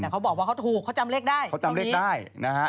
แต่เขาบอกว่าเขาถูกเขาจำเลขได้